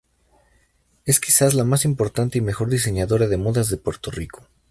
Es quizás la más importante y mejor diseñadora de modas de Puerto Rico.